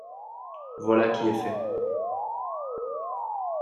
Voilà qui est fait.